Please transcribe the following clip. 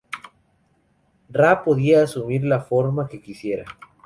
Ra podía asumir la forma que quisiera.